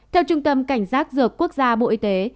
theo trung tâm cảnh giác dược quốc gia bộ y tế